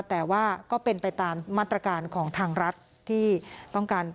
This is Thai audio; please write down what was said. แต่ว่าก็เป็นไปตามมาตรการของทางรัฐที่ต้องการ